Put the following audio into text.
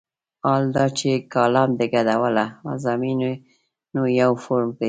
حال دا چې کالم د ګډوله مضامینو یو فورم دی.